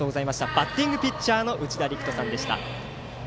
バッティングピッチャーのうちだりきとさんでした。